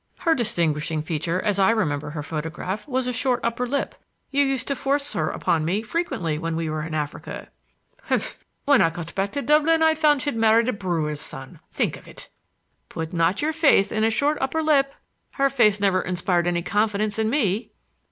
Her distinguishing feature, as I remember her photograph, was a short upper lip. You used to force her upon me frequently when we were in Africa." "Humph! When I got back to Dublin I found that she had married a brewer's son,—think of it!" "Put not your faith in a short upper lip! Her face never inspired any confidence in me."